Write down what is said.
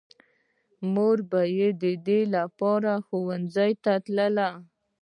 مور به يې د ده لپاره ښوونځي ته تله.